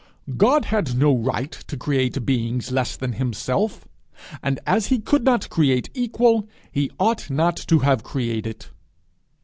God had no right to create beings less than himself; and as he could not create equal, he ought not to have created!